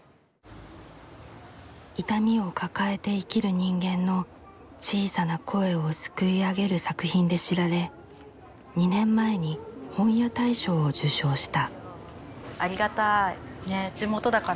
痛みを抱えて生きる人間の小さな声をすくい上げる作品で知られ２年前に本屋大賞を受賞した。